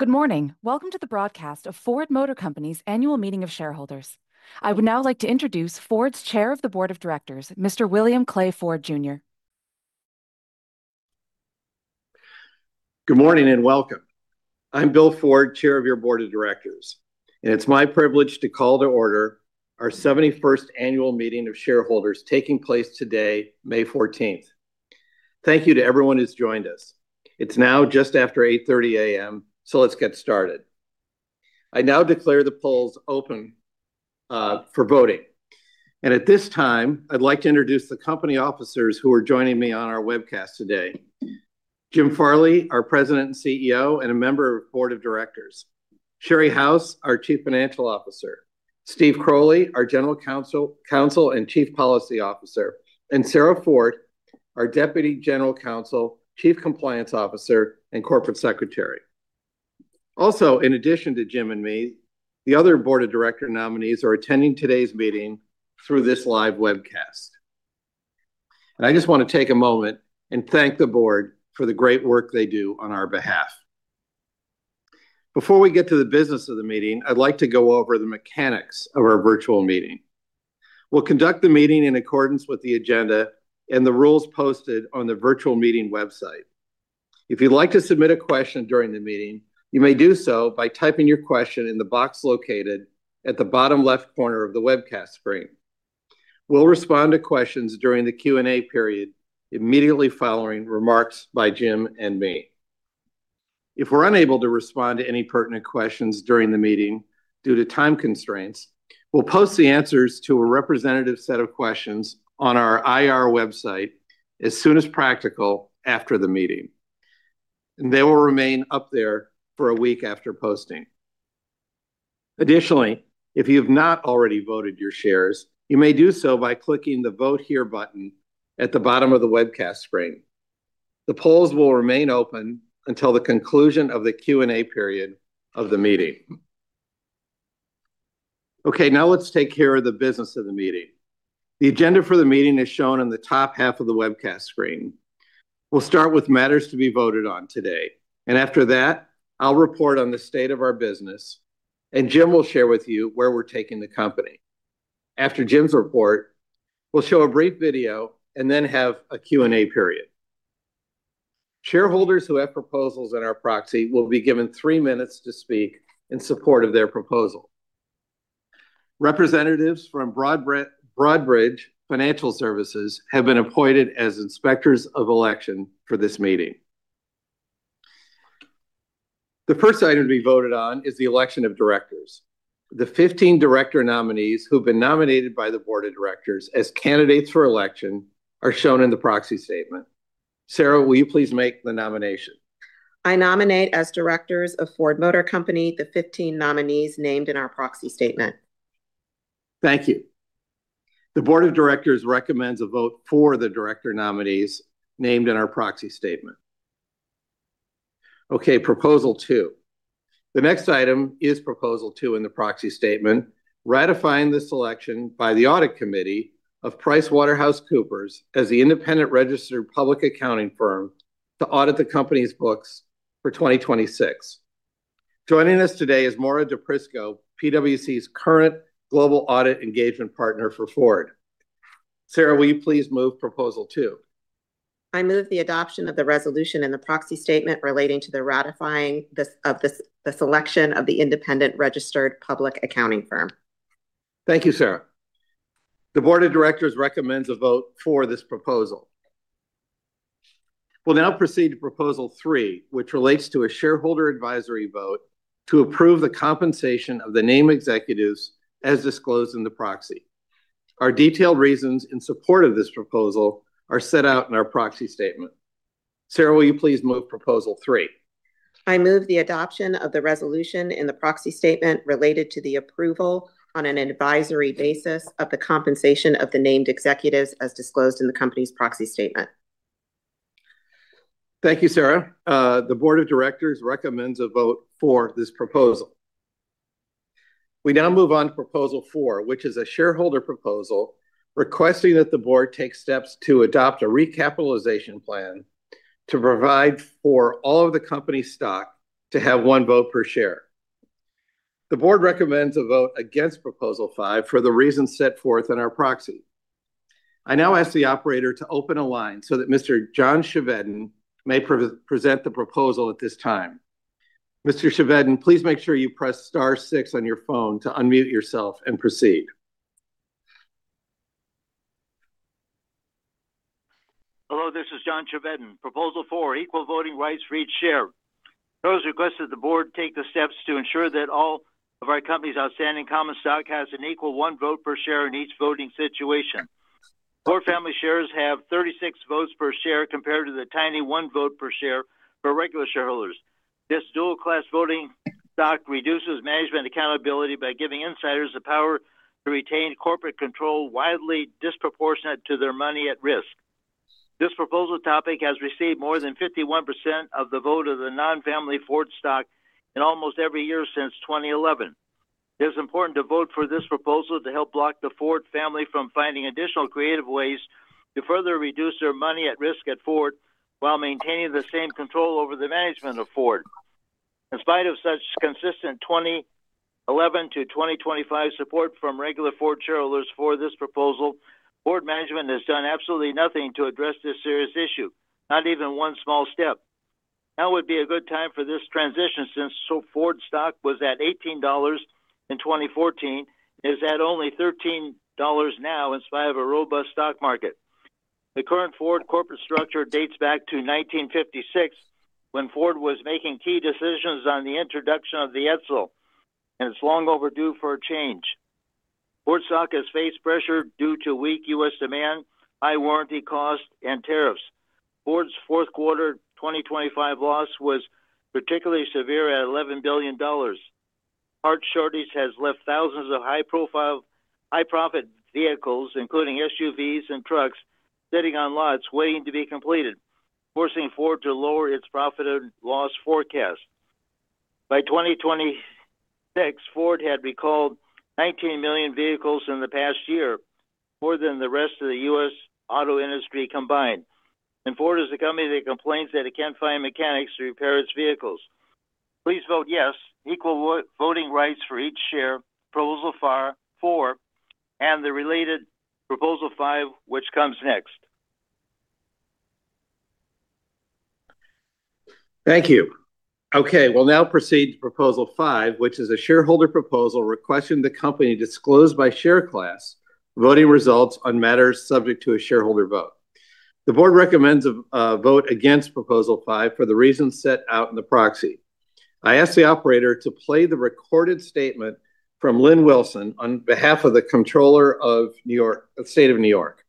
Good morning. Welcome to the broadcast of Ford Motor Company's annual meeting of shareholders. I would now like to introduce Ford's Chair of the Board of Directors, Mr. William Clay Ford, Jr. Good morning, welcome. I'm Bill Ford, Chair of your Board of Directors, and it's my privilege to call to order our 71st Annual Meeting of Shareholders taking place today, May 14th. Thank you to everyone who's joined us. It's now just after 8:30 A.M. Let's get started. I now declare the polls open for voting. At this time, I'd like to introduce the company officers who are joining me on our webcast today. Jim Farley, our President and CEO, and a Member of the Board of Directors, Sherry House, our Chief Financial Officer, Steven Croley, our General Counsel and Chief Policy Officer, Sarah Fortt, our Deputy General Counsel, Chief Compliance Officer, and Corporate Secretary. Also, in addition to Jim and me, the other Board of Directors nominees are attending today's meeting through this live webcast. I just wanna take a moment and thank the Board for the great work they do on our behalf. Before we get to the business of the meeting, I'd like to go over the mechanics of our virtual meeting. We'll conduct the meeting in accordance with the agenda and the rules posted on the virtual meeting website. If you'd like to submit a question during the meeting, you may do so by typing your question in the box located at the bottom left corner of the webcast screen. We'll respond to questions during the Q&A period immediately following remarks by Jim and me. If we're unable to respond to any pertinent questions during the meeting due to time constraints, we'll post the answers to a representative set of questions on our IR website as soon as practical after the meeting and they will remain up there for a week after posting. Additionally, if you've not already voted your shares, you may do so by clicking the Vote Here button at the bottom of the webcast screen. The polls will remain open until the conclusion of the Q&A period of the meeting. Okay, now let's take care of the business of the meeting. The agenda for the meeting is shown on the top half of the webcast screen. We'll start with matters to be voted on today, and after that, I'll report on the state of our business, and Jim will share with you where we're taking the company. After Jim's report, we'll show a brief video and then have a Q&A period. Shareholders who have proposals in our proxy will be given three minutes to speak in support of their proposal. Representatives from Broadridge Financial Services have been appointed as inspectors of election for this meeting. The first item to be voted on is the election of directors. The 15 director nominees who've been nominated by the Board of Directors as candidates for election are shown in the proxy statement. Sarah, will you please make the nomination? I nominate as directors of Ford Motor Company the 15 nominees named in our proxy statement. Thank you. The Board of Directors recommends a vote for the director nominees named in our proxy statement. Okay, Proposal 2. The next item is Proposal 2 in the proxy statement, ratifying the selection by the Audit Committee of PricewaterhouseCoopers as the independent registered public accounting firm to audit the company's books for 2026. Joining us today is Maura DePrisco, PwC's current global audit engagement partner for Ford. Sarah, will you please move Proposal 2? I move the adoption of the resolution in the proxy statement relating to the ratifying the selection of the independent registered public accounting firm. Thank you, Sarah. The Board of Directors recommends a vote for this proposal. We'll now proceed to Proposal 3, which relates to a shareholder advisory vote to approve the compensation of the named executives as disclosed in the proxy. Our detailed reasons in support of this proposal are set out in our proxy statement. Sarah, will you please move Proposal 3? I move the adoption of the resolution in the proxy statement related to the approval on an advisory basis of the compensation of the named executives as disclosed in the company's proxy statement. Thank you, Sarah. The Board of Directors recommends a vote for this proposal. We now move on to Proposal 4, which is a shareholder proposal requesting that the board take steps to adopt a recapitalization plan to provide for all of the company's stock to have one vote per share. The board recommends a vote against Proposal 5 for the reasons set forth in our proxy. I now ask the operator to open a line so that Mr. John Chevedden may present the proposal at this time. Mr. Chevedden, please make sure you press star six on your phone to unmute yourself and proceed. Hello, this is John Chevedden. Proposal 4, equal voting rights for each share. Proposal requests that the board take the steps to ensure that all of our company's outstanding common stock has an equal one vote per share in each voting situation. Ford family shares have 36 votes per share compared to the tiny one vote per share for regular shareholders. This dual class voting stock reduces management accountability by giving insiders the power to retain corporate control wildly disproportionate to their money at risk. This proposal topic has received more than 51% of the vote of the non-family Ford stock in almost every year since 2011. It is important to vote for this proposal to help block the Ford family from finding additional creative ways to further reduce their money at risk at Ford while maintaining the same control over the management of Ford. In spite of such consistent 2011 to 2025 support from regular Ford shareholders for this proposal, Ford management has done absolutely nothing to address this serious issue, not even one small step. Now would be a good time for this transition since Ford stock was at $18 in 2014, and is at only $13 now in spite of a robust stock market. The current Ford corporate structure dates back to 1956 when Ford was making key decisions on the introduction of the Edsel, and it's long overdue for a change. Ford stock has faced pressure due to weak U.S. demand, high warranty costs, and tariffs. Ford's fourth quarter 2025 loss was particularly severe at $11 billion. Part shortage has left thousands of high-profile, high-profit vehicles, including SUVs and trucks, sitting on lots waiting to be completed, forcing Ford to lower its profit and loss forecast. By 2026, Ford had recalled 19 million vehicles in the past year, more than the rest of the U.S. auto industry combined. Ford is the company that complains that it can't find mechanics to repair its vehicles. Please vote yes, equal voting rights for each share, Proposal 4, and the related Proposal 5 which comes next. Thank you. Okay, we'll now proceed to Proposal five, which is a shareholder proposal requesting the company disclose by share class voting results on matters subject to a shareholder vote. The board recommends a vote against Proposal five for the reasons set out in the proxy. I ask the operator to play the recorded statement from Lynn Wilson on behalf of the Comptroller of State of New York.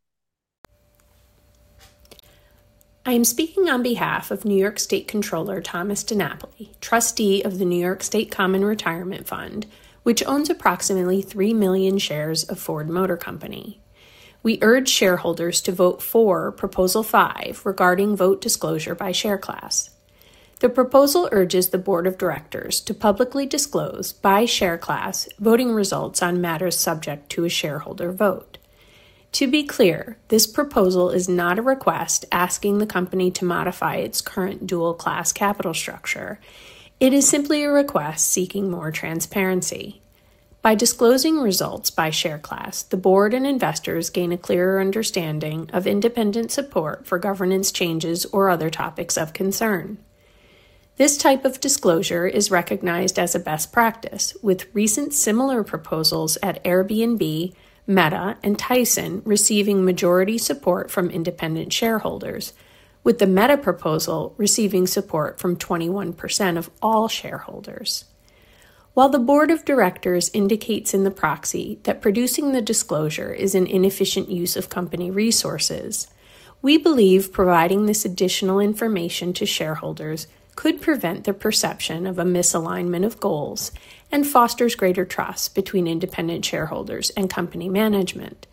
I am speaking on behalf of New York State Comptroller Thomas DiNapoli, trustee of the New York State Common Retirement Fund, which owns approximately 3 million shares of Ford Motor Company. We urge shareholders to vote for Proposal 5 regarding vote disclosure by share class. The proposal urges the Board of Directors to publicly disclose by share class voting results on matters subject to a shareholder vote. To be clear, this proposal is not a request asking the company to modify its current dual class capital structure. It is simply a request seeking more transparency. By disclosing results by share class, the Board and investors gain a clearer understanding of independent support for governance changes or other topics of concern. This type of disclosure is recognized as a best practice with recent similar proposals at Airbnb, Meta, and Tyson receiving majority support from independent shareholders, with the Meta proposal receiving support from 21% of all shareholders. The Board of Directors indicates in the proxy that producing the disclosure is an inefficient use of company resources, we believe providing this additional information to shareholders could prevent the perception of a misalignment of goals and fosters greater trust between independent shareholders and company management.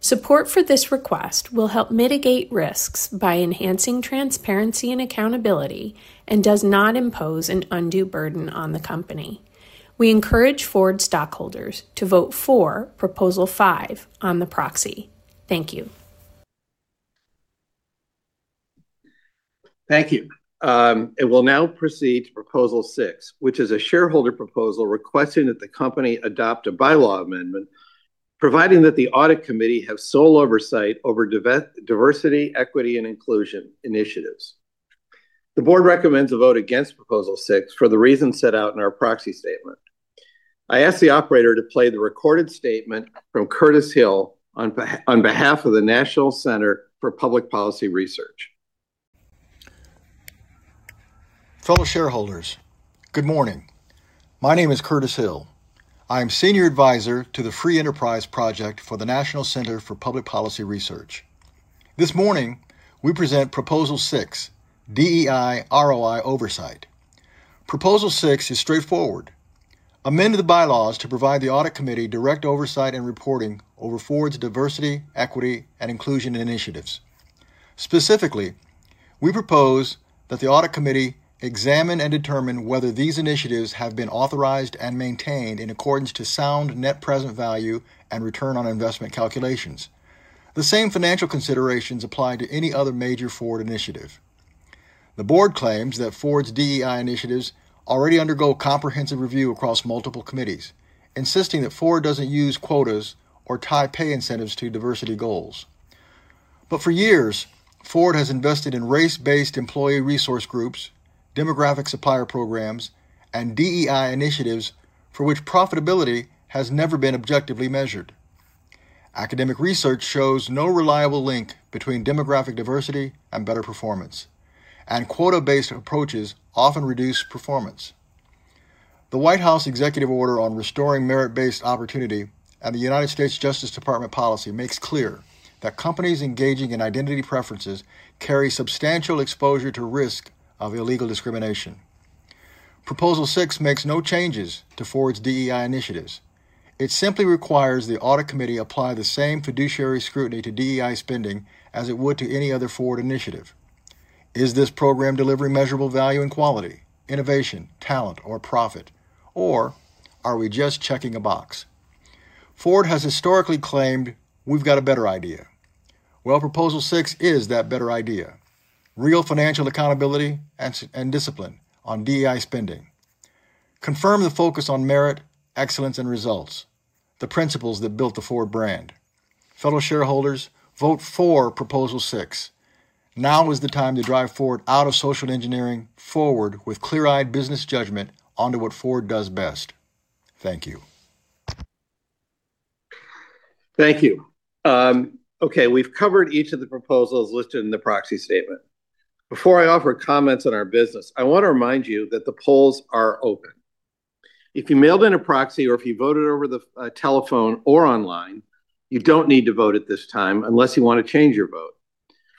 Support for this request will help mitigate risks by enhancing transparency and accountability, and does not impose an undue burden on the company. We encourage Ford stockholders to vote for Proposal 5 on the proxy. Thank you. Thank you. We'll now proceed to Proposal 6, which is a shareholder proposal requesting that the company adopt a bylaw amendment providing that the Audit Committee have sole oversight over diversity, equity, and inclusion initiatives. The Board recommends a vote against Proposal 6 for the reasons set out in our proxy statement. I ask the operator to play the recorded statement from Curtis Hill on behalf of the National Center for Public Policy Research. Fellow shareholders, good morning. My name is Curtis Hill. I am Senior Advisor to the Free Enterprise Project for the National Center for Public Policy Research. This morning, we present Proposal 6, DEI ROI Oversight. Proposal 6 is straightforward: amend the bylaws to provide the Audit Committee direct oversight and reporting over Ford's diversity, equity, and inclusion initiatives. Specifically, we propose that the Audit Committee examine and determine whether these initiatives have been authorized and maintained in accordance to sound net present value and ROI calculations. The same financial considerations apply to any other major Ford initiative. The Board claims that Ford's DEI initiatives already undergo comprehensive review across multiple committees, insisting that Ford doesn't use quotas or tie pay incentives to diversity goals. For years, Ford has invested in race-based employee resource groups, demographic supplier programs, and DEI initiatives for which profitability has never been objectively measured. Academic research shows no reliable link between demographic diversity and better performance, and quota-based approaches often reduce performance. The White House executive order on restoring merit-based opportunity and the United States Department of Justice policy makes clear that companies engaging in identity preferences carry substantial exposure to risk of illegal discrimination. Proposal 6 makes no changes to Ford's DEI initiatives. It simply requires the Audit Committee apply the same fiduciary scrutiny to DEI spending as it would to any other Ford initiative. Is this program delivering measurable value and quality, innovation, talent, or profit, or are we just checking a box? Ford has historically claimed we've got a better idea. Well, Proposal 6 is that better idea. Real financial accountability and discipline on DEI spending. Confirm the focus on merit, excellence, and results, the principles that built the Ford brand. Fellow shareholders, vote for Proposal 6. Now is the time to drive Ford out of social engineering, forward with clear-eyed business judgment onto what Ford does best. Thank you. Thank you. Okay, we've covered each of the proposals listed in the proxy statement. Before I offer comments on our business, I want to remind you that the polls are open. If you mailed in a proxy or if you voted over the telephone or online, you don't need to vote at this time unless you want to change your vote.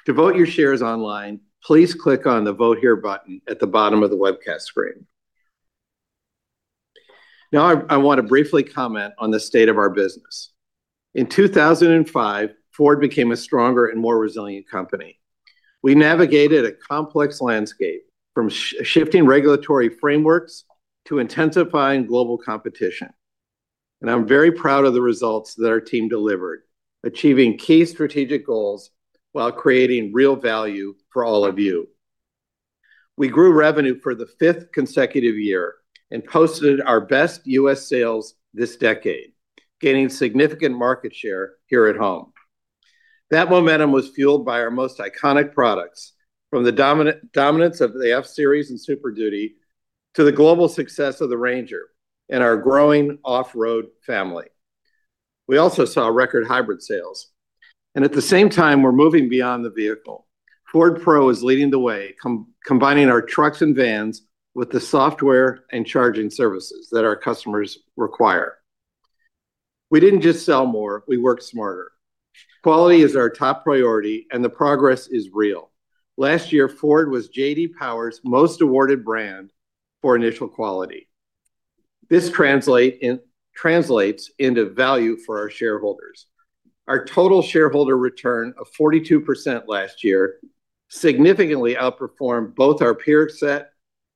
To vote your shares online, please click on the Vote Here button at the bottom of the webcast screen. I want to briefly comment on the state of our business. In 2005, Ford became a stronger and more resilient company. We navigated a complex landscape from shifting regulatory frameworks to intensifying global competition. I'm very proud of the results that our team delivered, achieving key strategic goals while creating real value for all of you. We grew revenue for the fifth consecutive year and posted our best U.S. sales this decade, gaining significant market share here at home. That momentum was fueled by our most iconic products from the dominance of the F-Series and Super Duty to the global success of the Ranger and our growing off-road family. We also saw record hybrid sales. At the same time, we're moving beyond the vehicle. Ford Pro is leading the way combining our trucks and vans with the software and charging services that our customers require. We didn't just sell more, we worked smarter. Quality is our top priority, and the progress is real. Last year, Ford was J.D. Power's most awarded brand for initial quality. This translates into value for our shareholders. Our total shareholder return of 42% last year significantly outperformed both our peer set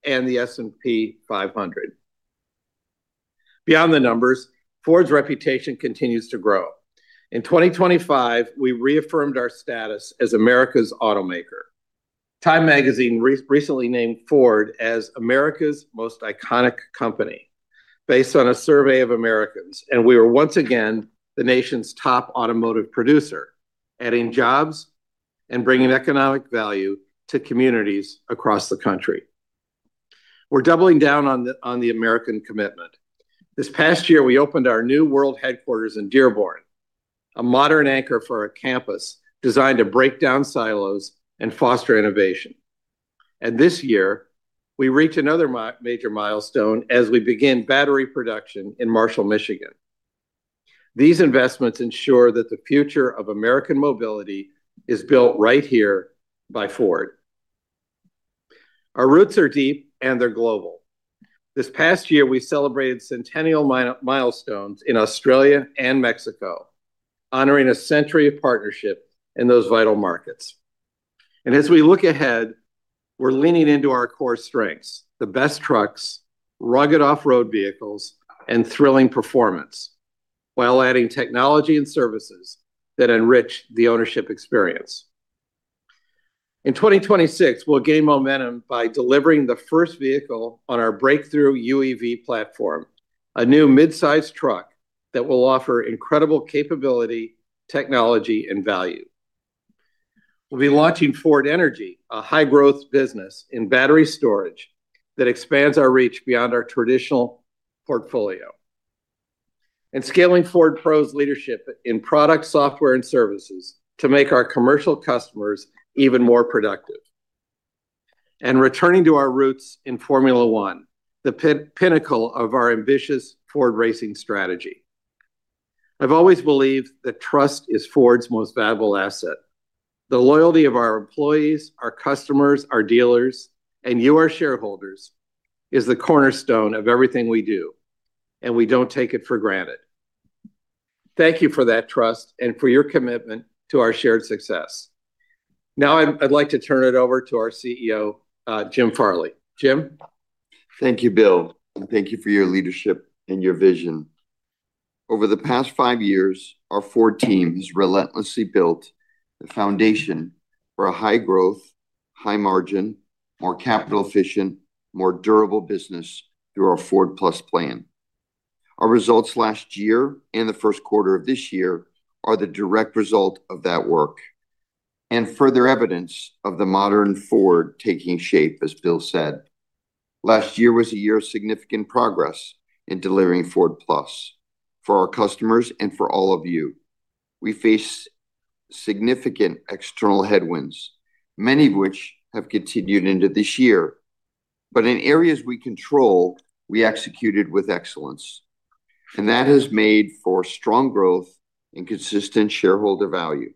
and the S&P 500. Beyond the numbers, Ford's reputation continues to grow. In 2025, we reaffirmed our status as America's automaker. TIME Magazine recently named Ford as America's most iconic company based on a survey of Americans, and we are once again the nation's top automotive producer, adding jobs and bringing economic value to communities across the country. We're doubling down on the American commitment. This past year, we opened our new world headquarters in Dearborn, a modern anchor for a campus designed to break down silos and foster innovation and this year, we reach another major milestone as we begin battery production in Marshall, Michigan. These investments ensure that the future of American mobility is built right here by Ford. Our roots are deep, and they're global. This past year, we celebrated centennial milestones in Australia and Mexico, honoring a century of partnership in those vital markets. As we look ahead, we're leaning into our core strengths, the best trucks, rugged off-road vehicles, and thrilling performance, while adding technology and services that enrich the ownership experience. In 2026, we'll gain momentum by delivering the first vehicle on our breakthrough UEV platform, a new midsize truck that will offer incredible capability, technology, and value. We'll be launching Ford Energy, a high-growth business in battery storage that expands our reach beyond our traditional portfolio. Scaling Ford Pro's leadership in product software and services to make our commercial customers even more productive. Returning to our roots in Formula One, the pinnacle of our ambitious Ford racing strategy. I've always believed that trust is Ford's most valuable asset. The loyalty of our employees, our customers, our dealers, and you, our shareholders, is the cornerstone of everything we do, and we don't take it for granted. Thank you for that trust and for your commitment to our shared success. Now I'd like to turn it over to our CEO, Jim Farley. Jim? Thank you, Bill, and thank you for your leadership and your vision. Over the past five years, our Ford team has relentlessly built the foundation for a high-growth, high-margin, more capital efficient, more durable business through our Ford+ plan. Our results last year and the first quarter of this year are the direct result of that work and further evidence of the modern Ford taking shape, as Bill said. Last year was a year of significant progress in delivering Ford+ for our customers and for all of you. We faced significant external headwinds, many of which have continued into this year. In areas we control, we executed with excellence, and that has made for strong growth and consistent shareholder value.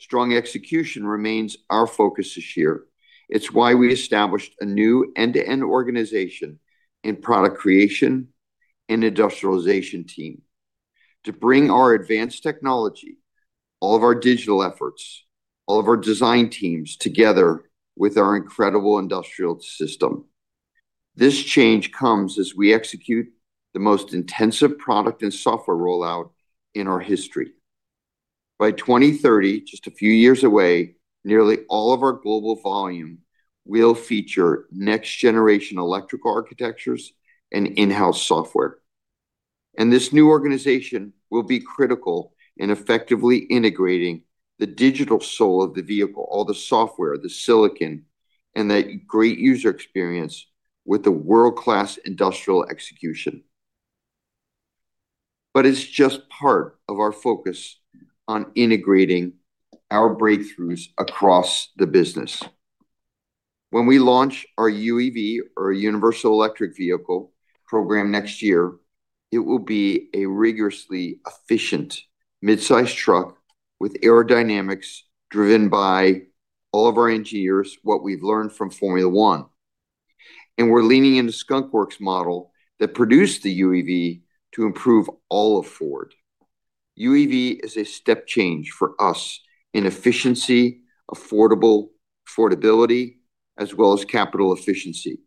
Strong execution remains our focus this year. It's why we established a new end-to-end organization in product creation and industrialization team to bring our advanced technology, all of our digital efforts, all of our design teams together with our incredible industrial system. This change comes as we execute the most intensive product and software rollout in our history. By 2030, just a few years away, nearly all of our global volume will feature next generation electrical architectures and in-house software. This new organization will be critical in effectively integrating the digital soul of the vehicle, all the software, the silicon, and that great user experience with the world-class industrial execution but it's just part of our focus on integrating our breakthroughs across the business. When we launch our UEV or Universal Electric Vehicle program next year, it will be a rigorously efficient midsize truck with aerodynamics driven by all of our engineers what we've learned from Formula 1 and we're leaning into Skunk Works model that produced the UEV to improve all of Ford. UEV is a step change for us in efficiency, affordability, as well as capital efficiency.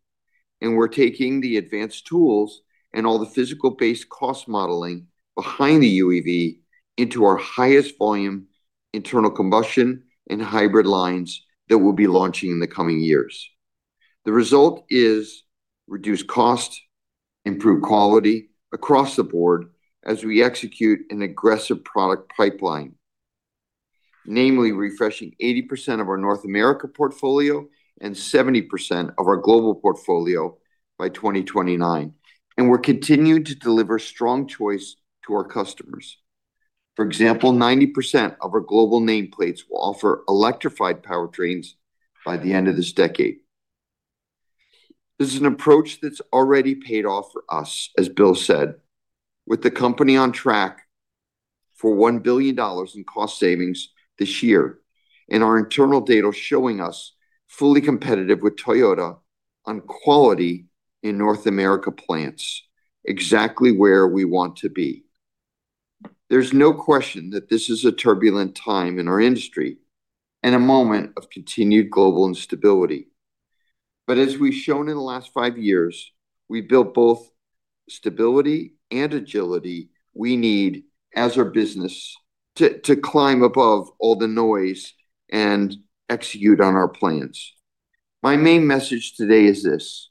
We're taking the advanced tools and all the physical-based cost modeling behind the UEV into our highest volume internal combustion and hybrid lines that we'll be launching in the coming years. The result is reduced cost, improved quality across the Board as we execute an aggressive product pipeline, namely refreshing 80% of our North America portfolio and 70% of our global portfolio by 2029. We're continuing to deliver strong choice to our customers. For example, 90% of our global nameplates will offer electrified powertrains by the end of this decade. This is an approach that's already paid off for us, as Bill said, with the company on track for $1 billion in cost savings this year, and our internal data showing us fully competitive with Toyota on quality in North America plants, exactly where we want to be. There's no question that this is a turbulent time in our industry and a moment of continued global instability. As we've shown in the last five years, we've built both stability and agility we need as a business to climb above all the noise and execute on our plans. My main message today is this: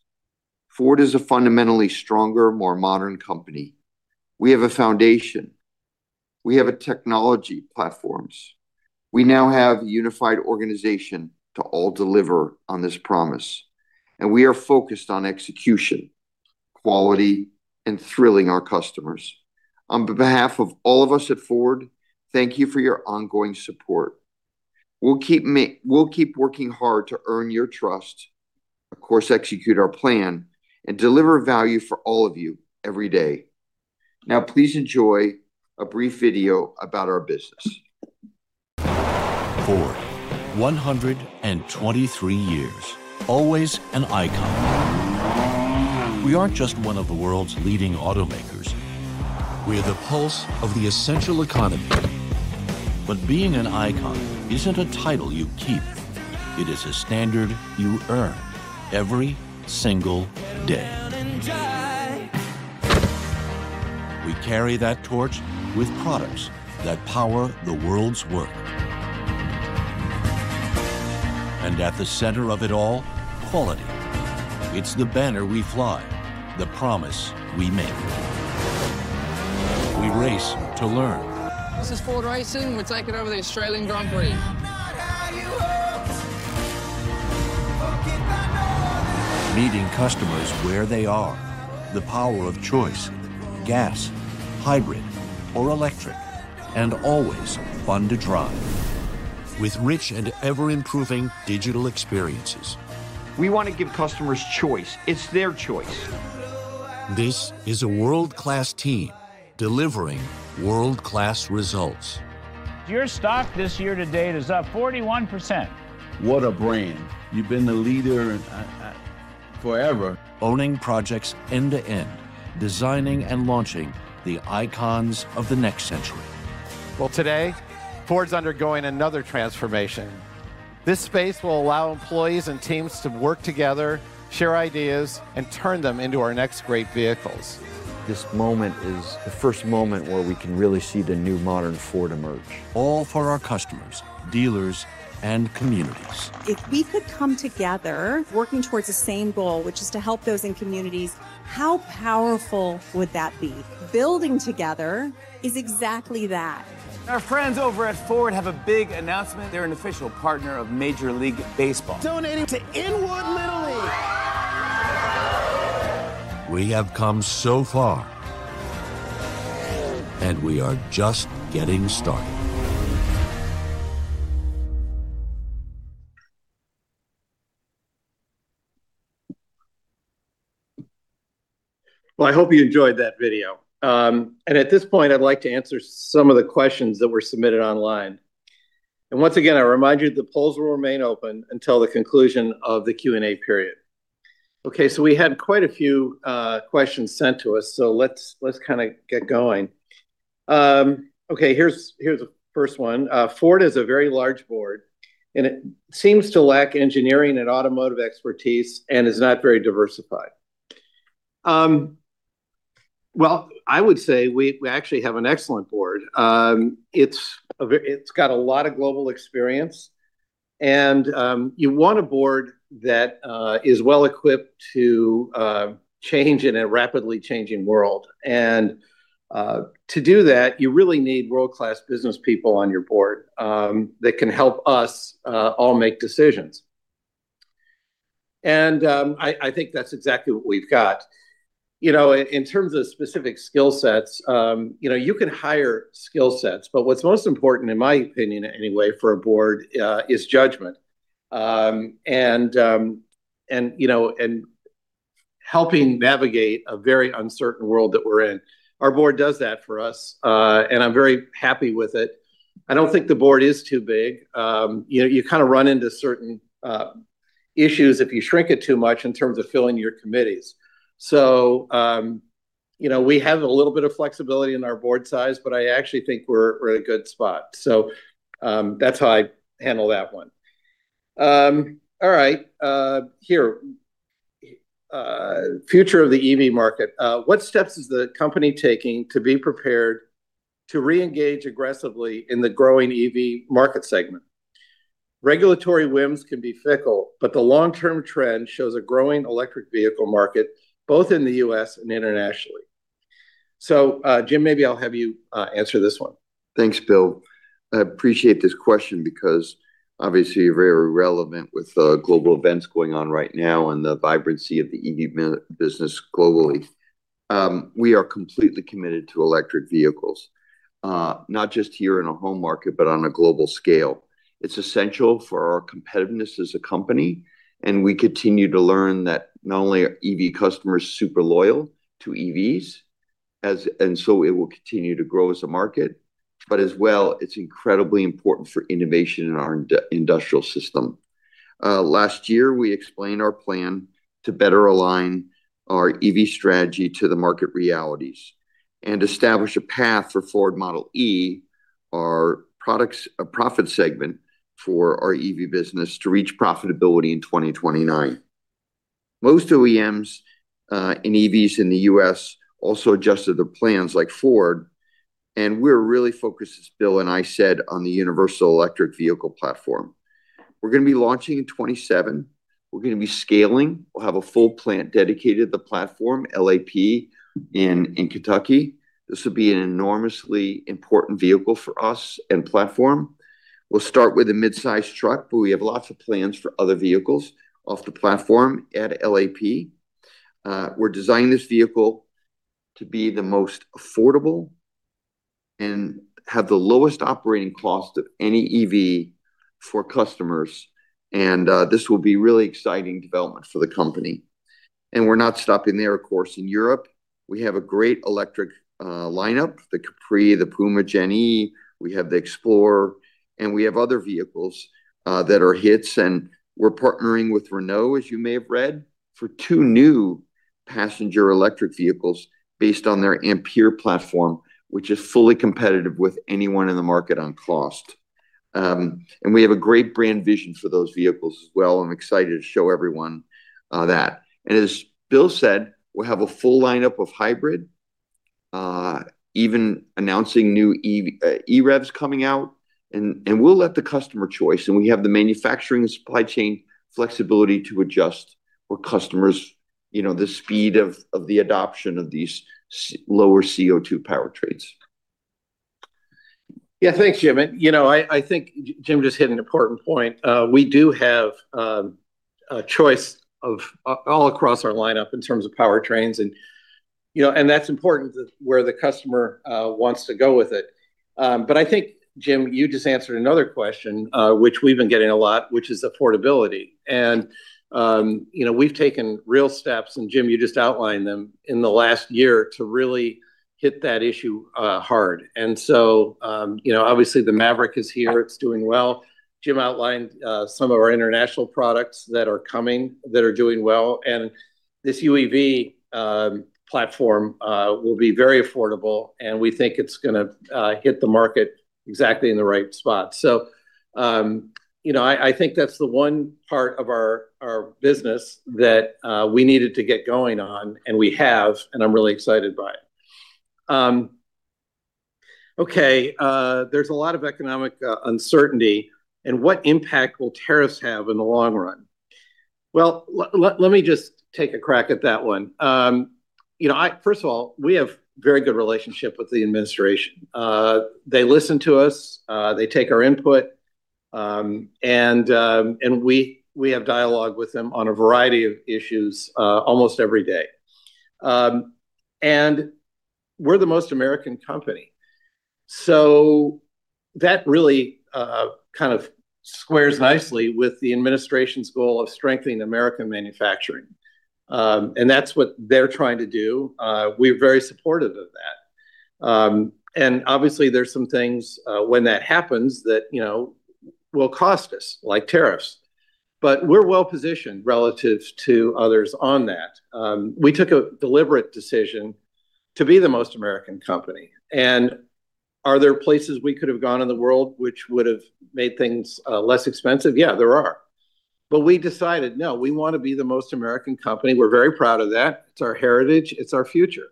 Ford is a fundamentally stronger, more modern company. We have a foundation. We have a technology platforms. We now have a unified organization to all deliver on this promise, and we are focused on execution, quality, and thrilling our customers. On behalf of all of us at Ford, thank you for your ongoing support. We'll keep working hard to earn your trust, of course, execute our plan, and deliver value for all of you every day. Now, please enjoy a brief video about our business. Ford, 123 years, always an icon. We aren't just one of the world's leading automakers, we're the pulse of the essential economy. Being an icon isn't a title you keep, it is a standard you earn every single day. Get down and drive. We carry that torch with products that power the world's work. At the center of it all, quality. It's the banner we fly, the promise we make. We race to learn. This is Ford racing. We're taking over the Australian Grand Prix. Maybe I'm not how you hope. Hope I get by. Meeting customers where they are. The power of choice, gas, hybrid, or electric, and always fun to drive. With rich and ever-improving digital experiences. We want to give customers choice. It's their choice. This is a world-class team delivering world-class results. Your stock this year to date is up 41%. What a brand. You've been the leader, forever. Owning projects end to end, designing and launching the icons of the next century. Well, today, Ford's undergoing another transformation. This space will allow employees and teams to work together, share ideas, and turn them into our next great vehicles. This moment is the first moment where we can really see the new modern Ford emerge. All for our customers, dealers, and communities. If we could come together working towards the same goal, which is to help those in communities, how powerful would that be? Building together is exactly that. Our friends over at Ford have a big announcement. They're an official partner of Major League Baseball. Donating to Inwood Little League. We have come so far, and we are just getting started. Well, I hope you enjoyed that video. At this point I'd like to answer some of the questions that were submitted online. Once again, I remind you the polls will remain open until the conclusion of the Q&A period. We had quite a few questions sent to us, so let's kind of get going. Here's the first one. Ford is a very large Board, and it seems to lack engineering and automotive expertise and is not very diversified. Well, I would say we actually have an excellent Board. It's got a lot of global experience and you want a Board that is well-equipped to change in a rapidly changing world. To do that, you really need world-class business people on your Board that can help us all make decisions. I think that's exactly what we've got. You know, in terms of specific skill sets, you know, you can hire skill sets, but what's most important, in my opinion anyway, for a Board, is judgment. You know, helping navigate a very uncertain world that we're in. Our Board does that for us, and I'm very happy with it. I don't think the Board is too big. You know, you kind of run into certain issues if you shrink it too much in terms of filling your committees. You know, we have a little bit of flexibility in our Board size, but I actually think we're in a good spot. That's how I handle that one. Future of the EV market. What steps is the company taking to be prepared to reengage aggressively in the growing EV market segment? Regulatory whims can be fickle, but the long-term trend shows a growing electric vehicle market, both in the U.S. and internationally. Jim, maybe I'll have you answer this one. Thanks, Bill. I appreciate this question because obviously very relevant with global events going on right now and the vibrancy of the EV business globally. We are completely committed to electric vehicles, not just here in a home market, but on a global scale. It's essential for our competitiveness as a company, and we continue to learn that not only are EV customers super loyal to EVs, and so it will continue to grow as a market, but as well, it's incredibly important for innovation in our industrial system. Last year, we explained our plan to better align our EV strategy to the market realities and establish a path for Ford Model e, our products, a profit segment for our EV business to reach profitability in 2029. Most OEMs and EVs in the U.S. also adjusted their plans like Ford, we're really focused, as Bill and I said, on the universal electric vehicle platform. We're gonna be launching in 2027. We're gonna be scaling. We'll have a full plant dedicated to the platform, LAP, in Kentucky. This will be an enormously important vehicle for us and platform. We'll start with a mid-size truck, we have lots of plans for other vehicles off the platform at LAP. We're designing this vehicle to be the most affordable and have the lowest operating cost of any EV for customers, and this will be really exciting development for the company. We're not stopping there. Of course, in Europe, we have a great electric lineup, the Capri, the Puma Gen-E, we have the Explorer, we have other vehicles that are hits. We're partnering with Renault, as you may have read, for two new passenger electric vehicles based on their Ampere platform, which is fully competitive with anyone in the market on cost. We have a great brand vision for those vehicles as well. I'm excited to show everyone that. As Bill said, we'll have a full lineup of hybrid, even announcing new EV EREVs coming out, and we'll let the customer choice, and we have the manufacturing and supply chain flexibility to adjust for customers, you know, the speed of the adoption of these lower CO2 powertrains. Yeah, thanks, Jim. You know, I think Jim just hit an important point. We do have a choice of all across our lineup in terms of powertrains and, you know, that's important to where the customer wants to go with it. I think, Jim, you just answered another question, which we've been getting a lot, which is affordability. You know, we've taken real steps, and Jim, you just outlined them, in the last year to really hit that issue hard. You know, obviously the Maverick is here. It's doing well. Jim outlined some of our international products that are coming that are doing well, and this UEV platform will be very affordable, and we think it's gonna hit the market exactly in the right spot. You know, I think that's the one part of our business that we needed to get going on, and we have, and I'm really excited by it. Okay, there's a lot of economic uncertainty, and what impact will tariffs have in the long run? Well, let me just take a crack at that one. You know, first of all, we have very good relationship with the administration. They listen to us, they take our input, and we have dialogue with them on a variety of issues almost every day. We're the most American company, so that really kind of squares nicely with the administration's goal of strengthening American manufacturing and that's what they're trying to do. We're very supportive of that. Obviously there's some things, when that happens that, you know, will cost us, like tariffs. We're well-positioned relative to others on that. We took a deliberate decision to be the most American company. Are there places we could have gone in the world which would have made things less expensive? Yeah, there are. We decided, no, we want to be the most American company. We're very proud of that. It's our heritage, it's our future.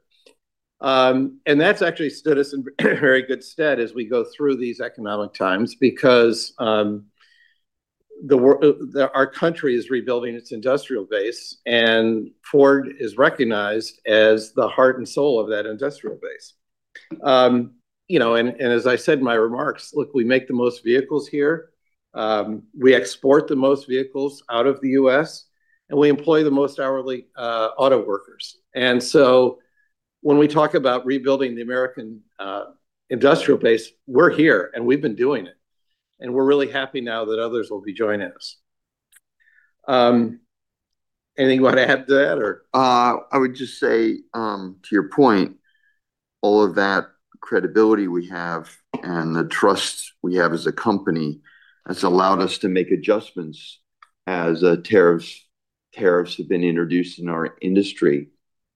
That's actually stood us in very good stead as we go through these economic times because our country is rebuilding its industrial base, and Ford is recognized as the heart and soul of that industrial base. You know, as I said in my remarks, look, we make the most vehicles here. We export the most vehicles out of the U.S., and we employ the most hourly auto workers. When we talk about rebuilding the American industrial base, we're here, and we've been doing it, and we're really happy now that others will be joining us. Anything you want to add to that or? I would just say, to your point, all of that credibility we have and the trust we have as a company has allowed us to make adjustments as tariffs have been introduced in our industry.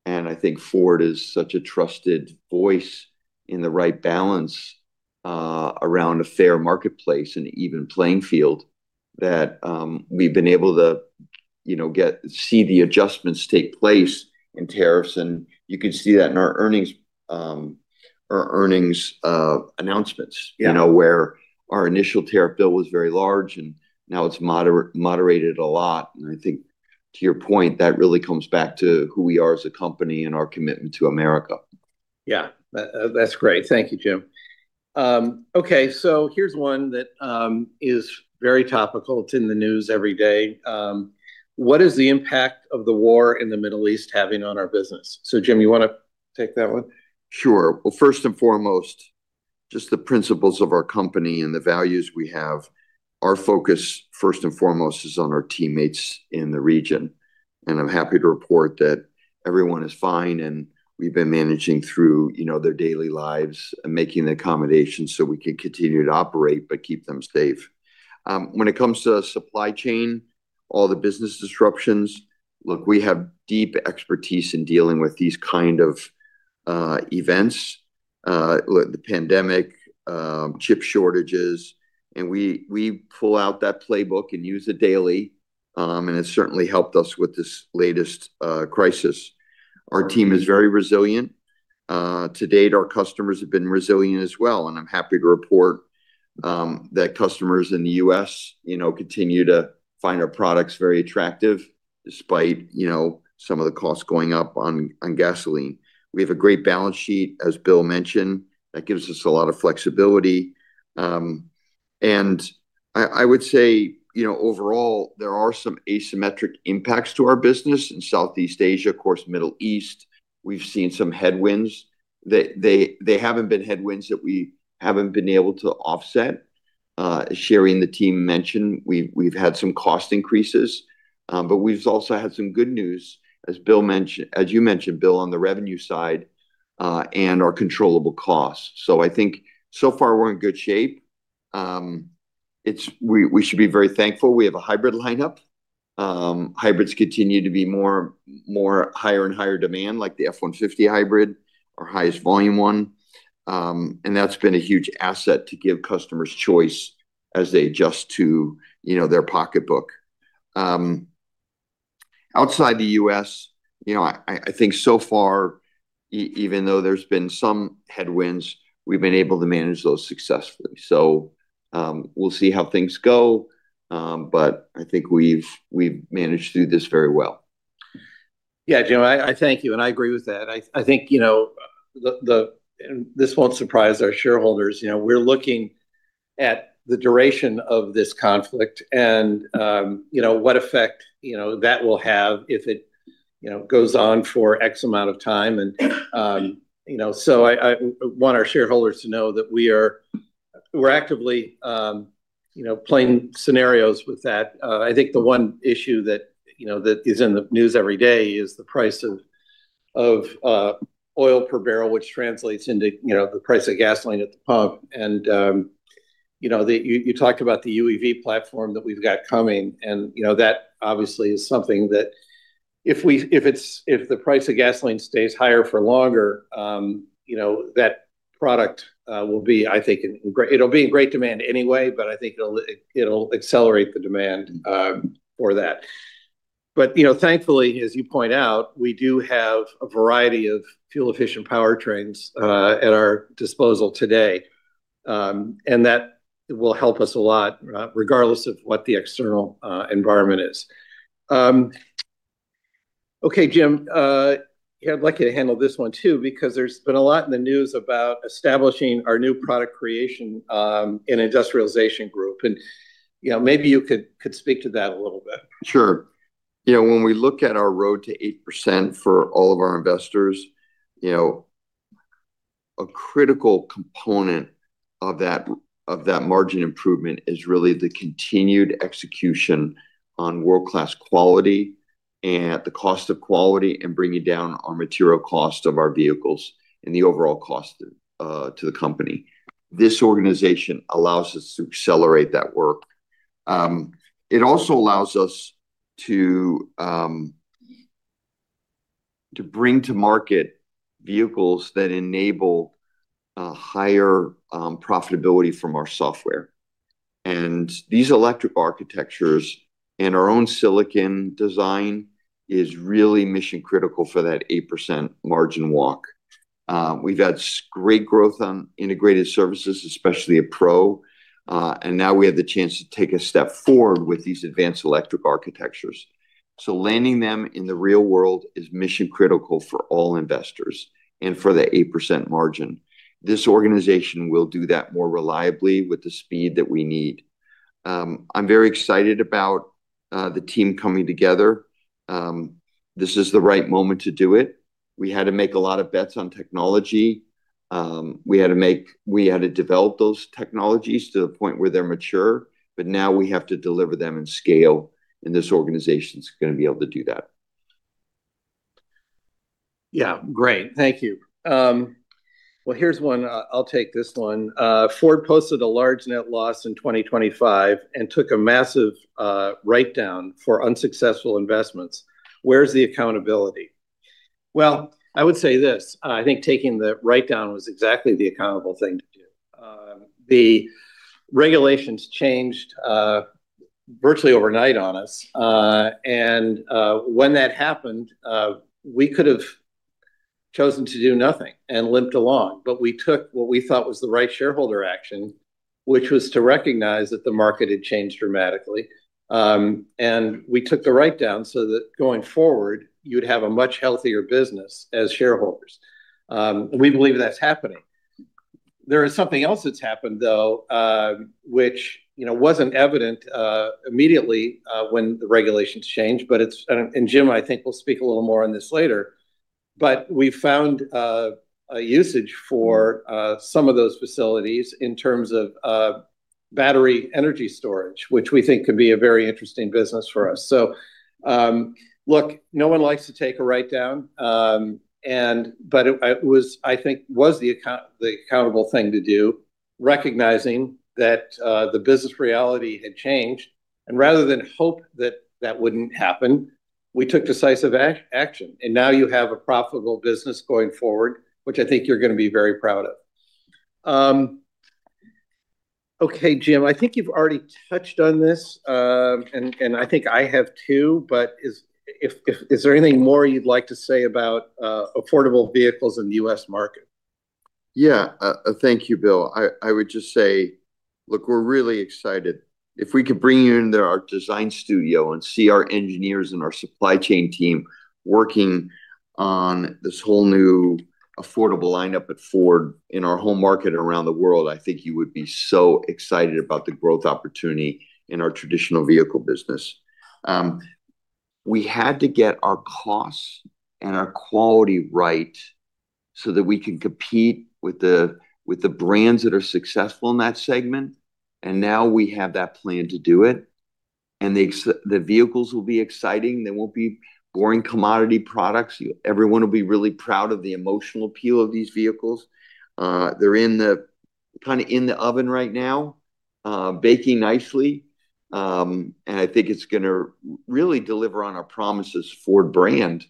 I think Ford is such a trusted voice in the right balance, around a fair marketplace and even playing field that, we've been able to, you know, see the adjustments take place in tariffs. You could see that in our earnings announcements. Yeah. You know, where our initial tariff bill was very large and now it's moderated a lot. I think to your point, that really comes back to who we are as a company and our commitment to America. Yeah. That's great. Thank you, Jim. Okay, here's one that is very topical. It's in the news every day. What is the impact of the war in the Middle East having on our business? Jim, you wanna take that one? Well, first and foremost, just the principles of our company and the values we have, our focus first and foremost is on our teammates in the region, and I'm happy to report that everyone is fine and we've been managing through, you know, their daily lives and making the accommodations so we can continue to operate but keep them safe. When it comes to supply chain, all the business disruptions, look, we have deep expertise in dealing with these kind of events, the pandemic, chip shortages, and we pull out that playbook and use it daily. It's certainly helped us with this latest crisis. Our team is very resilient. To date, our customers have been resilient as well, I'm happy to report that customers in the U.S. continue to find our products very attractive despite some of the costs going up on gasoline. We have a great balance sheet, as Bill mentioned. That gives us a lot of flexibility. I would say, overall, there are some asymmetric impacts to our business in Southeast Asia, of course, Middle East. We've seen some headwinds. They haven't been headwinds that we haven't been able to offset. As Sherry and the team mentioned, we've had some cost increases, we've also had some good news, as you mentioned, Bill, on the revenue side, and our controllable costs so I think so far we're in good shape. We should be very thankful we have a hybrid lineup. Hybrids continue to be more higher and higher demand, like the F-150 hybrid, our highest volume one. That's been a huge asset to give customers choice as they adjust to, you know, their pocketbook. Outside the U.S., you know, I, I think so far even though there's been some headwinds, we've been able to manage those successfully. We'll see how things go. I think we've managed through this very well. Jim, I thank you, and I agree with that. I think this won't surprise our shareholders, we're looking at the duration of this conflict and what effect that will have if it goes on for X amount of time. I want our shareholders to know that we're actively playing scenarios with that. I think the one issue that is in the news every day is the price of oil per barrel, which translates into the price of gasoline at the pump. You know, you talked about the UEV platform that we've got coming and, you know, that obviously is something that if the price of gasoline stays higher for longer, you know, that product will be, I think, in great demand anyway, but I think it'll accelerate the demand for that. You know, thankfully, as you point out, we do have a variety of fuel-efficient powertrains at our disposal today. That will help us a lot regardless of what the external environment is. Okay, Jim, yeah, I'd like you to handle this one too, because there's been a lot in the news about establishing our new Product Creation and Industrialization Group and, you know, maybe you could speak to that a little bit. Sure. You know, when we look at our road to 8% for all of our investors, you know, a critical component of that, of that margin improvement is really the continued execution on world-class quality. The cost of quality and bringing down our material cost of our vehicles and the overall cost to the company. This organization allows us to accelerate that work. It also allows us to bring to market vehicles that enable a higher profitability from our software. These electric architectures and our own silicon design is really mission-critical for that 8% margin walk. We've had great growth on integrated services, especially at Pro, and now we have the chance to take a step forward with these advanced electric architectures. Landing them in the real world is mission-critical for all investors and for the 8% margin. This organization will do that more reliably with the speed that we need. I'm very excited about the team coming together. This is the right moment to do it. We had to make a lot of bets on technology. We had to develop those technologies to the point where they're mature, but now we have to deliver them in scale, and this organization's gonna be able to do that. Yeah. Great. Thank you. Well, here's one, I'll take this one. Ford posted a large net loss in 2025 and took a massive write-down for unsuccessful investments. Where's the accountability? Well, I would say this, I think taking the write-down was exactly the accountable thing to do. The regulations changed virtually overnight on us. When that happened, we could have chosen to do nothing and limped along, but we took what we thought was the right shareholder action, which was to recognize that the market had changed dramatically. We took the write-down so that going forward, you'd have a much healthier business as shareholders. We believe that's happening. There is something else that's happened though, which, you know, wasn't evident immediately when the regulations changed, but Jim, I think, will speak a little more on this later. We found a usage for some of those facilities in terms of battery energy storage, which we think could be a very interesting business for us. Look, no one likes to take a write-down, but it was, I think, the accountable thing to do, recognizing that the business reality had changed. Rather than hope that that wouldn't happen, we took decisive action, and now you have a profitable business going forward, which I think you're gonna be very proud of. Okay, Jim, I think you've already touched on this. I think I have too, but is there anything more you'd like to say about affordable vehicles in the U.S. market? Thank you, Bill. I would just say, we're really excited. If we could bring you into our design studio and see our engineers and our supply chain team working on this whole new affordable lineup at Ford in our home market around the world, I think you would be so excited about the growth opportunity in our traditional vehicle business. We had to get our costs and our quality right so that we can compete with the brands that are successful in that segment and now we have that plan to do it. The vehicles will be exciting. They won't be boring commodity products. Everyone will be really proud of the emotional appeal of these vehicles. They're kind of in the oven right now, baking nicely. I think it's gonna really deliver on our promises Ford brand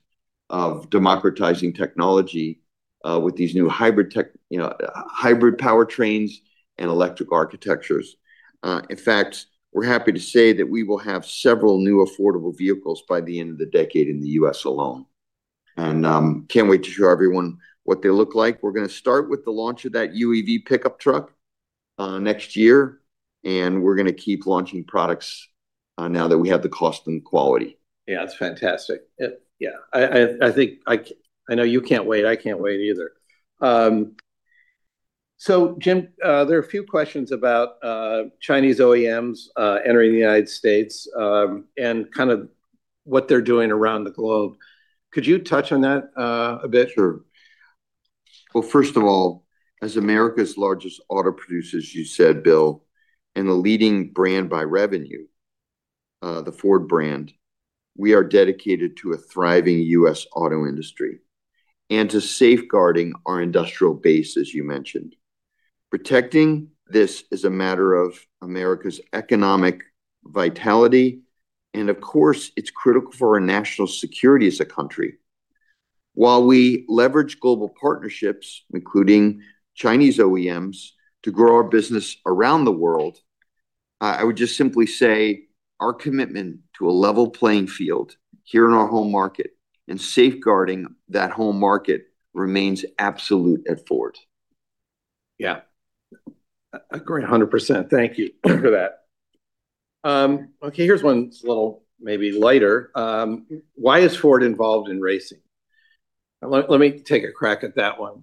of democratizing technology, you know, with these new hybrid powertrains and electric architectures. In fact, we're happy to say that we will have several new affordable vehicles by the end of the decade in the U.S. alone. Can't wait to show everyone what they look like. We're gonna start with the launch of that UEV pickup truck next year, and we're gonna keep launching products now that we have the cost and quality. That's fantastic. I think I know you can't wait. I can't wait either. Jim, there are a few questions about Chinese OEMs entering the United States and kind of what they're doing around the globe. Could you touch on that a bit? Well, first of all, as America's largest auto producer, as you said, Bill, and the leading brand by revenue, the Ford brand, we are dedicated to a thriving U.S. auto industry and to safeguarding our industrial base, as you mentioned. Protecting this is a matter of America's economic vitality, of course, it's critical for our national security as a country. While we leverage global partnerships, including Chinese OEMs, to grow our business around the world, I would just simply say our commitment to a level playing field here in our home market and safeguarding that home market remains absolute at Ford. Yeah. 100%. Thank you for that. Okay, here's one that's a little maybe lighter. Why is Ford involved in racing? Let me take a crack at that one.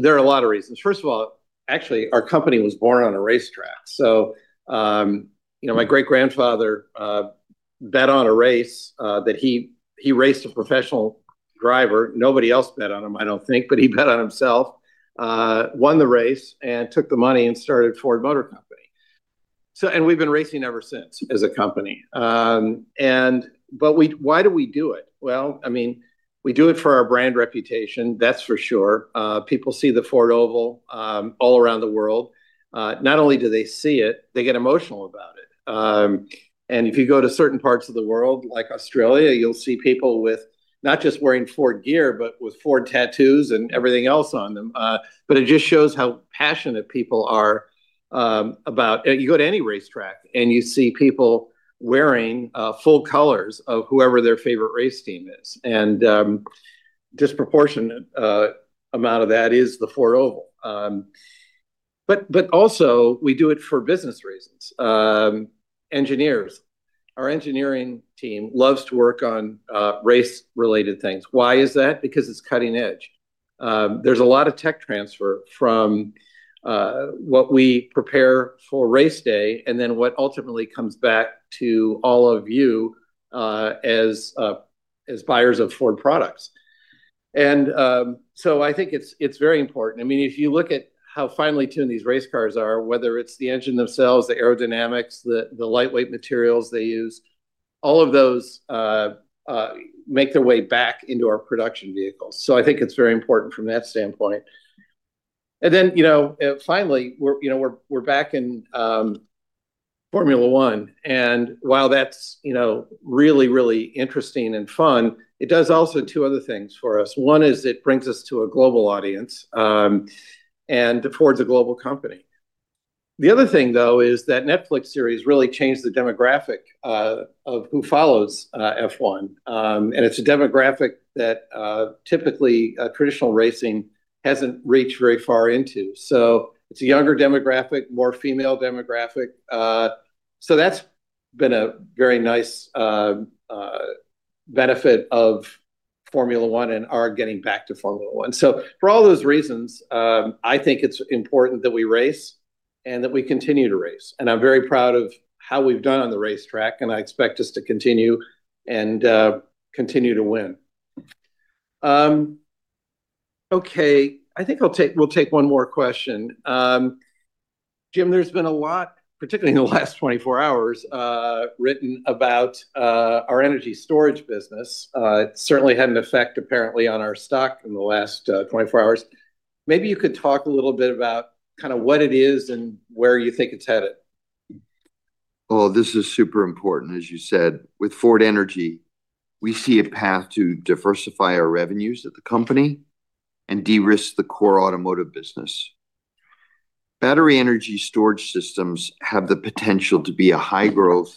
There are a lot of reasons. First of all, actually, our company was born on a racetrack. You know, my great-grandfather bet on a race that he raced a professional driver. Nobody else bet on him, I don't think, but he bet on himself. Won the race and took the money and started Ford Motor Company. We've been racing ever since as a company. Why do we do it? Well, I mean, we do it for our brand reputation, that's for sure. People see the Ford Oval all around the world. Not only do they see it, they get emotional about it. If you go to certain parts of the world, like Australia, you'll see people with not just wearing Ford gear, but with Ford tattoos and everything else on them. It just shows how passionate people are. You go to any racetrack, and you see people wearing full colors of whoever their favorite race team is. Disproportionate amount of that is the Ford Oval, but also we do it for business reasons. Engineers, our engineering team loves to work on race-related things. Why is that? Because it's cutting edge. There's a lot of tech transfer from what we prepare for race day and then what ultimately comes back to all of you as buyers of Ford products. I think it's very important. I mean, if you look at how finely tuned these race cars are, whether it's the engine themselves, the aerodynamics, the lightweight materials they use, all of those make their way back into our production vehicles. I think it's very important from that standpoint. You know, finally, we're, you know, we're back in Formula 1. While that's, you know, really interesting and fun, it does also two other things for us. One is it brings us to a global audience, and Ford's a global company. The other thing, though, is that Netflix series really changed the demographic of who follows F1. It's a demographic that typically traditional racing hasn't reached very far into. It's a younger demographic, more female demographic. That's been a very nice benefit of Formula 1 and our getting back to Formula 1. For all those reasons, I think it's important that we race and that we continue to race. I'm very proud of how we've done on the racetrack, and I expect us to continue and continue to win. Okay, we'll take one more question. Jim, there's been a lot, particularly in the last 24 hours, written about our energy storage business. It certainly had an effect, apparently, on our stock in the last 24 hours. Maybe you could talk a little bit about kind of what it is and where you think it's headed. Oh, this is super important, as you said. With Ford Energy, we see a path to diversify our revenues at the company and de-risk the core automotive business. Battery energy storage systems have the potential to be a high-growth,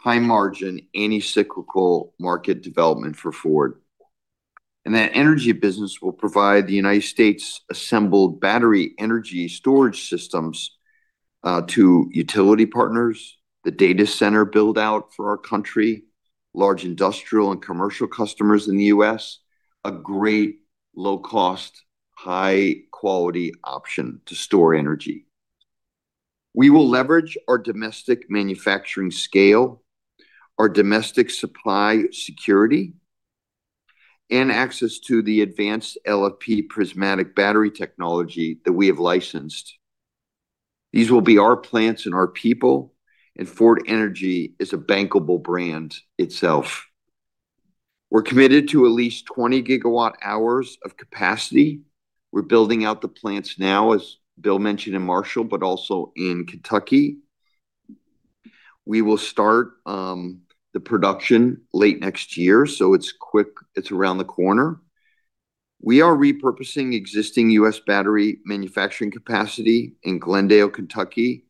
high-margin, anti-cyclical market development for Ford. That energy business will provide the United States-assembled battery energy storage systems to utility partners, the data center build-out for our country, large industrial and commercial customers in the U.S., a great low-cost, high-quality option to store energy. We will leverage our domestic manufacturing scale, our domestic supply security, and access to the advanced LFP prismatic battery technology that we have licensed. These will be our plants and our people. Ford Energy is a bankable brand itself. We're committed to at least 20GWh of capacity. We're building out the plants now, as Bill mentioned in Marshall, but also in Kentucky. We will start the production late next year. It's quick. It's around the corner. We are repurposing existing U.S. battery manufacturing capacity in Glendale, Kentucky.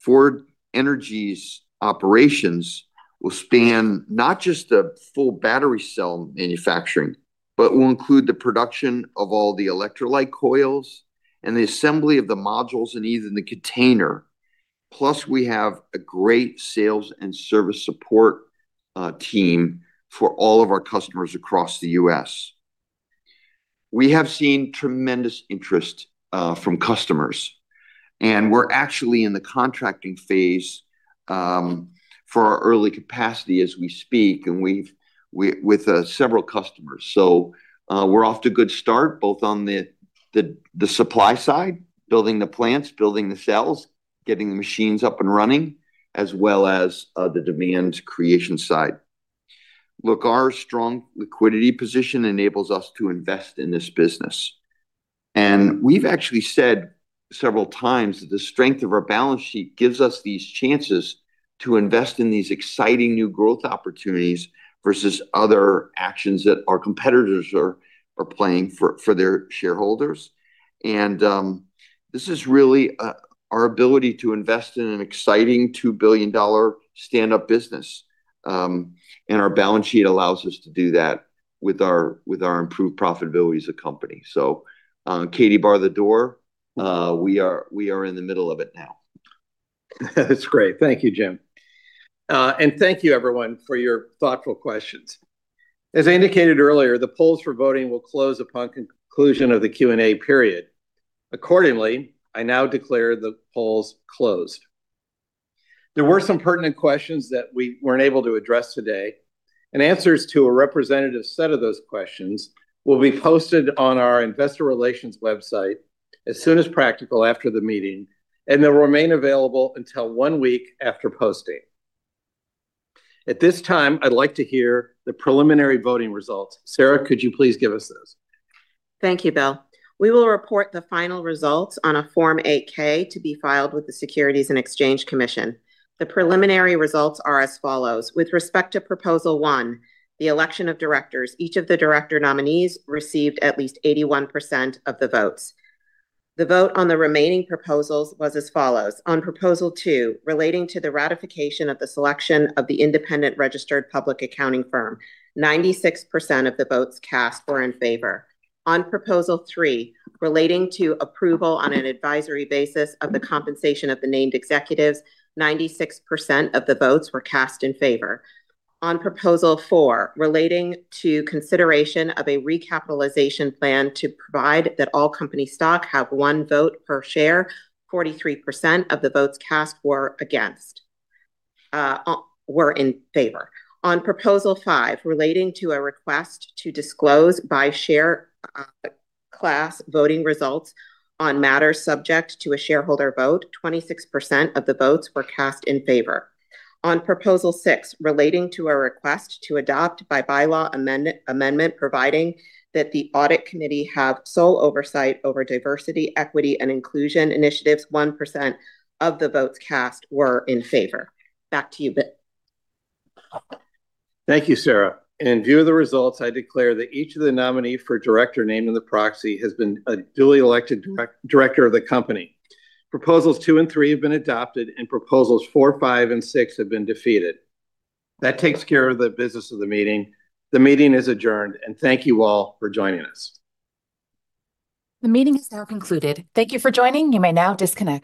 Ford Energy's operations will span not just the full battery cell manufacturing, but will include the production of all the electrolyte coils and the assembly of the modules and even the container. We have a great sales and service support team for all of our customers across the U.S. We have seen tremendous interest from customers, and we're actually in the contracting phase for our early capacity as we speak, with several customers so we're off to a good start, both on the supply side, building the plants, building the cells, getting the machines up and running, as well as the demand creation side. Look, our strong liquidity position enables us to invest in this business and we've actually said several times that the strength of our balance sheet gives us these chances to invest in these exciting new growth opportunities versus other actions that our competitors are playing for their shareholders. This is really our ability to invest in an exciting $2 billion stand-up business. Our balance sheet allows us to do that with our improved profitability as a company. Katie, bar the door. We are in the middle of it now. That's great. Thank you, Jim. Thank you everyone for your thoughtful questions. As I indicated earlier, the polls for voting will close upon conclusion of the Q&A period. Accordingly, I now declare the polls closed. There were some pertinent questions that we weren't able to address today, and answers to a representative set of those questions will be posted on our investor relations website as soon as practical after the meeting, and they'll remain available until one week after posting. At this time, I'd like to hear the preliminary voting results. Sarah, could you please give us those? Thank you, Bill. We will report the final results on a Form 8-K to be filed with the Securities and Exchange Commission. The preliminary results are as follows. With respect to Proposal 1, the election of directors, each of the director nominees received at least 81% of the votes. The vote on the remaining proposals was as follows. On Proposal 2, relating to the ratification of the selection of the independent registered public accounting firm, 96% of the votes cast were in favor. On Proposal 3, relating to approval on an advisory basis of the compensation of the named executives, 96% of the votes were cast in favor. On Proposal 4, relating to consideration of a recapitalization plan to provide that all company stock have one vote per share, 43% of the votes cast were in favor. On Proposal 5, relating to a request to disclose by share class voting results on matters subject to a shareholder vote, 26% of the votes were cast in favor. On Proposal 6, relating to a request to adopt by bylaw amendment providing that the Audit Committee have sole oversight over Diversity, Equity, and Inclusion initiatives, 1% of the votes cast were in favor. Back to you, Bill. Thank you, Sarah. In view of the results, I declare that each of the nominee for director named in the proxy has been a duly elected director of the company. Proposals 2 and 3 have been adopted, and Proposals 4, 5, and 6 have been defeated. That takes care of the business of the meeting. The meeting is adjourned, and thank you all for joining us. The meeting is now concluded. Thank you for joining. You may now disconnect.